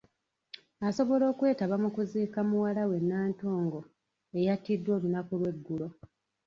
Asobola okwetaba mu kuziika muwala we Nantongo, eyattiddwa olunaku lw’eggulo.